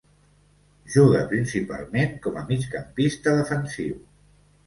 Juga principalment com a migcampista defensiu.